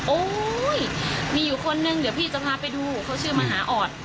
โอ้ยมีอยู่คนนึงเดี๋ยวพี่จะพาไปดูเขาชื่อมหาออด